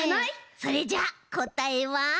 それじゃあこたえは。